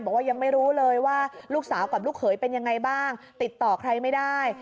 บอกว่ายังไม่รู้เลยว่าลูกสาวกับลูกเขยเป็นยังไงบ้างติดต่อใครไม่ได้